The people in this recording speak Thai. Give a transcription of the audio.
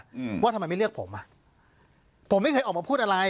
อืมว่าทำไมไม่เลือกผมอ่ะผมไม่เคยออกมาพูดอะไร